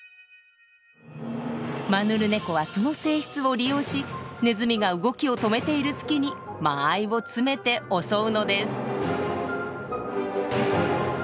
マヌルネコはその性質を利用しネズミが動きを止めている隙に間合いを詰めて襲うのです。